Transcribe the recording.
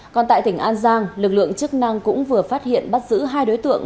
còn tại tỉnh an giang lực lượng chức năng cũng vừa phát hiện bắt giữ hai đối tượng